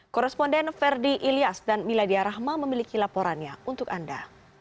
korresponden ferdi ilyas dan miladia rahma memiliki laporannya untuk anda